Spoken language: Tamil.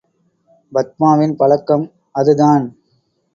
பத்மாவின் பழக்கம் அது தான்.